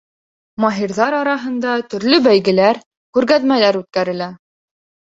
Маһирҙар араһында төрлө бәйгеләр, күргәҙмәләр үткәрелә.